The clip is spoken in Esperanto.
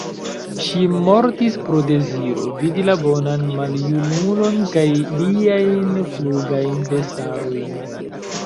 Ŝi mortis pro deziro, vidi la bonan maljunulon kaj liajn flugajn bestarojn.